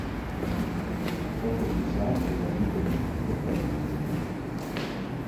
Poco si sa della vita di Tito Calpurnio.